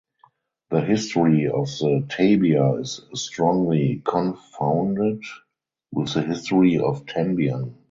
The history of the "tabia" is strongly confounded with the history of Tembien.